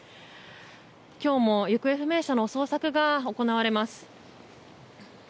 今日も行方不明者の捜索が行われます。